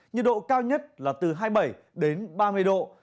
nhiệt độ cao nhất là từ hai mươi bảy đến ba mươi độ